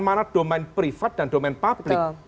mana domain privat dan domain publik